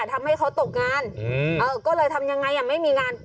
ทำให้เขาตกงานอืมอ่ะก็เลยทำยังไงอ่ะไม่มีงาน